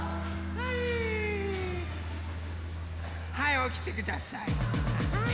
はいおきてください。